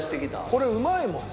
これうまいもん。